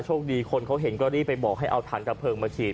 คดีคนเขาเห็นก็รีบไปบอกให้เอาถังดับเพลิงมาฉีด